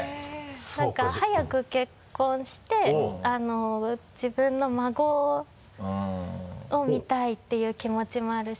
なんか早く結婚して自分の孫を見たいっていう気持ちもあるし。